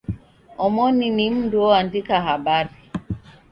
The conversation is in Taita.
Omoni ni mndu oandika habari.